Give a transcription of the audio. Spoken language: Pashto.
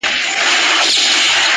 کښتۍ وان یم له څپو سره چلېږم؛